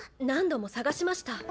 何度も捜しました。